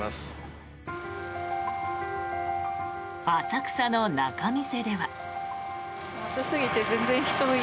浅草の仲見世では。